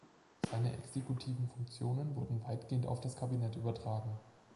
Seine exekutiven Funktionen wurden weitgehend auf das Kabinett übertragen.